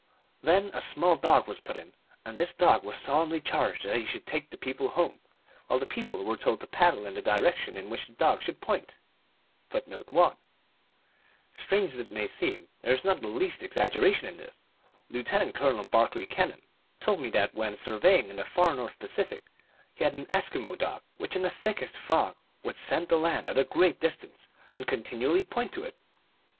Then a small dog was put in, and this dog was solemnly charged that he should take the people home, while the people were told to paddle in the direction in which the dog should point. 1 And to the Micmac he said, " Seven years hence you will be reminded of me." And then tokooboosijik (off they went). 1 Strange as it may seem, there is not the least exaggeration in this. Lieutenant Colonel Barclay Kennan told me that when surveying in the far North Pacific he had an Eskimo dog which, in the thickest fog, would scent the land at a great distance, and continually point to it.